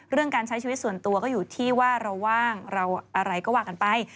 การใช้ชีวิตส่วนตัวก็อยู่ที่ว่าเราว่างเราอะไรก็ว่ากันไป